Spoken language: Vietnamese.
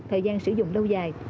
thời gian sử dụng lâu dài